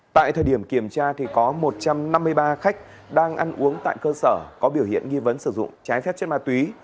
tại thời điểm kiểm tra có một trăm năm mươi ba khách đang ăn uống tại cơ sở có biểu hiện nghi vấn sử dụng trái phép chất ma túy